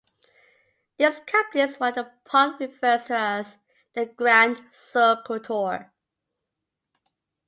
This completes what the park refers to as "The Grand Circle Tour".